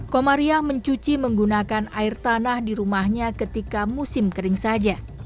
komariah mencuci menggunakan air tanah di rumahnya ketika musim kering saja